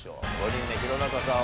５人目弘中さん